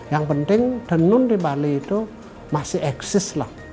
yang penting tenun di bali itu masih eksis lah